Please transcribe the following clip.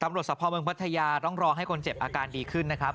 สภาพเมืองพัทยาต้องรอให้คนเจ็บอาการดีขึ้นนะครับ